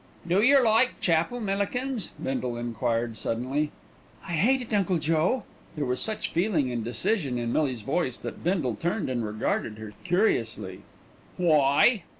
"Do yer like chapel, Millikins?" Bindle enquired suddenly. "I hate it, Uncle Joe!" There was such feeling and decision in Millie's voice that Bindle turned and regarded her curiously. "Why?"